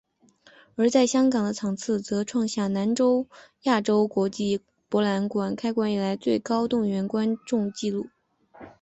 而在香港的场次则创下亚洲国际博览馆开馆以来最高动员观众记录。